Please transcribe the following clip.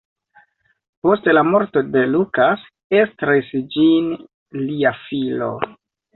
Post la morto de Lucas estris ĝin lia filo.